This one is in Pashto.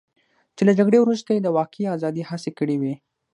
چې له جګړې وروسته یې د واقعي ازادۍ هڅې کړې وې.